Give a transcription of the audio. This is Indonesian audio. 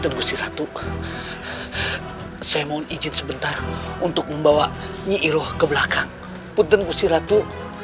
tenggu siratu saya mohon izin sebentar untuk membawa nyihiroh ke belakang putri siratu